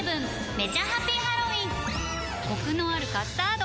めちゃハピハロウィンコクのあるカスタード！